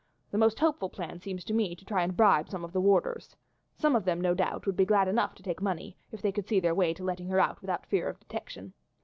The most hopeful plan seems to me to try and bribe some of the warders. Some of them, no doubt, would be glad enough to take money if they could see their way to letting her out without fear of detection."